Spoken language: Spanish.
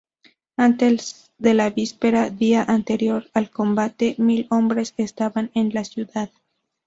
Antes de la víspera día anterior al combate, mil hombres estaban en la ciudad.